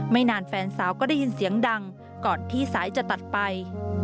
นานแฟนสาวก็ได้ยินเสียงดังก่อนที่สายจะตัดไป